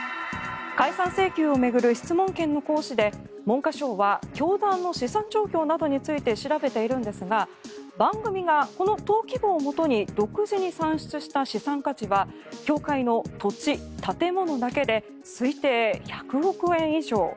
解散請求を巡る質問権の行使で文科省は教団の資産状況などについて調べているんですが番組がこの登記簿をもとに独自に算出した資産価値は教会の土地・建物だけで推定１００億円以上。